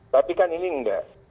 tapi kan ini enggak